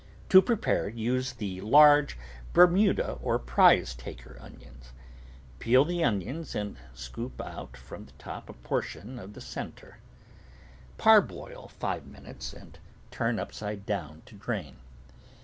To prepare, use the large Ber muda or Prizetaker onions. Peel the onions and scoop out from the top a portion of the centre. ROOT VEGETABLES Parboil five minutes and turn upside down to drain.